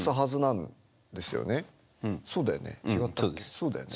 そうだよね？